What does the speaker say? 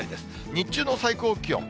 日中の最高気温。